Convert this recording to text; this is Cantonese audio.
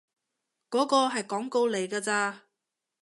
嗰個係廣告嚟㗎咋